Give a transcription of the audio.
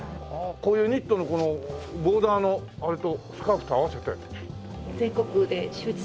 こういうニットのこのボーダーのあれとスカーフと合わせて。